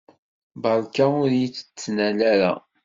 Beṛka ur yi-d-ttnal ara.